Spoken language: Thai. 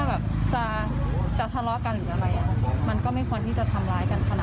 เราคิดว่าแบบจะทะเลาะกันหรืออะไรอะ